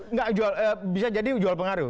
nggak bisa jadi jual pengaruh